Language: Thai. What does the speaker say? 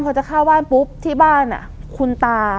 เขาจะเข้าบ้านปุ๊บที่บ้าน